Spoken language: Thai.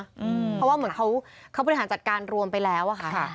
เพราะว่าเหมือนเขาบริหารจัดการรวมไปแล้วอะค่ะ